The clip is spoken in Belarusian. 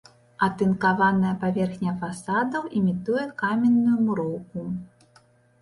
Атынкаваная паверхня фасадаў імітуе каменную муроўку.